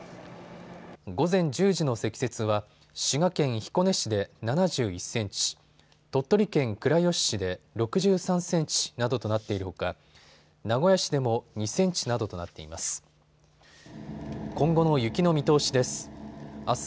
午前１０時の積雪は滋賀県彦根市で７１センチ、鳥取県倉吉市で６３センチなどとなっているほか名古屋市でも２センチなどとなっています。